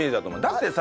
だってさ。